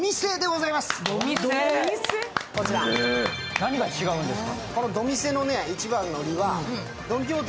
何が違うんですか？